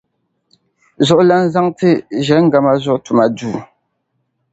zuɣulana zaŋ ti Ʒe-Ngama Zuɣu Tumaduu.